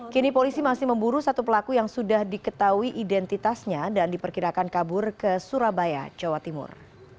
kini polisi masih memburu satu pelaku yang sudah diketahui identitasnya dan diperkirakan kabur ke surabaya jawa timur